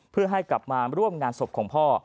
เพื่อให้กลับมาร่วมงานศพของพ่อ